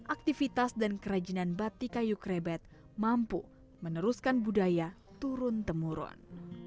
aktivitas dan kerajinan batik kayu krebet mampu meneruskan budaya turun temurun